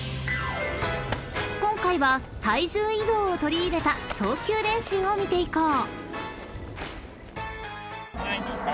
［今回は体重移動を取り入れた送球練習を見ていこう］